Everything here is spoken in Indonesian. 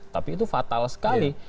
tapi itu fatal sekali